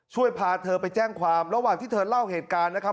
พาเธอไปแจ้งความระหว่างที่เธอเล่าเหตุการณ์นะครับ